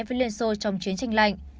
với liên xô trong chiến tranh lạnh